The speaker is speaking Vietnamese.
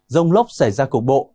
rông lốc xảy ra cục bộ